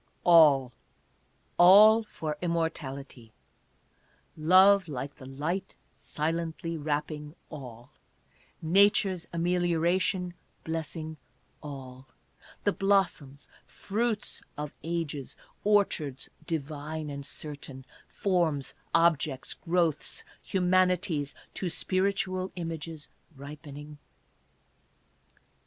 " All, all for immortality, Love like the light silently wrapping all, Nature's amelioration blessing all, The blossoms, fruits of ages, orchards divine and certain, Forms, objects, growths, humanities, to spiritual images ripening.